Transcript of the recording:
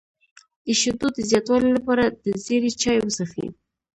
د شیدو د زیاتوالي لپاره د زیرې چای وڅښئ